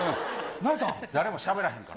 誰もしゃべらへんから。